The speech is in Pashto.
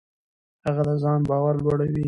هغه د ځان باور لوړوي.